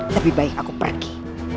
lebih baik aku pergi